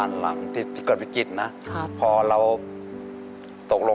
ชีวิตวิรุณปฤษบุคคล